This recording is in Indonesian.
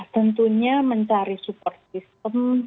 tentunya mencari support system